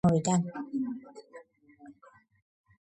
ის პირველი გერმანულენოვანი ორგანოა, რომელიც საქართველოში გამოვიდა.